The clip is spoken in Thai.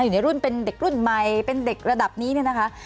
อยู่ในรุ่นเป็นเด็กรุ่นใหม่เป็นเด็กระดับนี้เนี่ยนะคะ